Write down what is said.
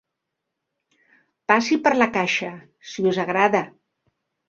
Passi per la caixa, si us agrada.